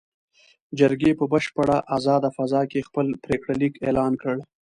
جرګې په بشپړه ازاده فضا کې خپل پرېکړه لیک اعلان کړ.